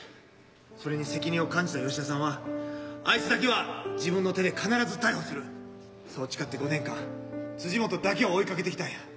それに責任を感じた吉田さんは「あいつだけは自分の手で必ず逮捕する」そう誓って５年間辻本だけを追いかけてきたんや。